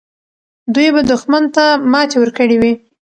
دوی به دښمن ته ماتې ورکړې وي.